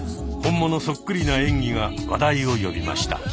本物そっくりな演技が話題を呼びました。